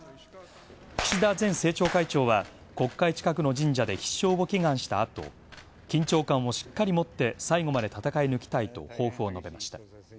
岸田前政調会長は、国会近くの神社で必勝を祈願したあと、「緊張感をしっかり持って最後まで戦い抜きたい」と抱負を述べました。